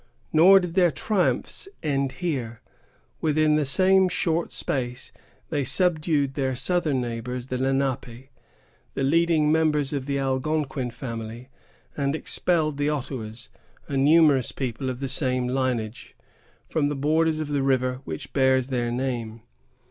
Nor did their triumphs end here. Within the same short space they subdued their southern neighbors the Lenape, the leading members of the Algonquin family, and expelled the Ottawas, a numerous people of the same lineage, from the borders of the river which bears their name.